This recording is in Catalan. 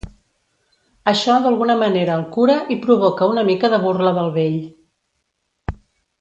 Això d'alguna manera el cura i provoca una mica de burla del vell.